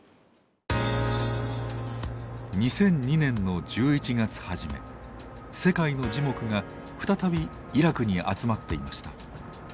２００２年の１１月初め世界の耳目が再びイラクに集まっていました。